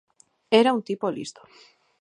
Era un tipo listo.